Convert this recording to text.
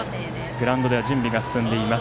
グラウンドでは準備が進んでいます。